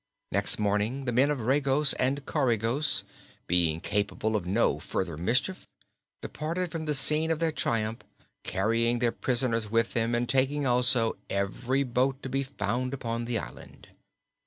Next morning the men of Regos and Coregos, being capable of no further mischief, departed from the scene of their triumph, carrying their prisoners with them and taking also every boat to be found upon the island.